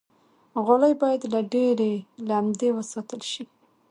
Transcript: غالۍ باید له ډېرې لمدې وساتل شي.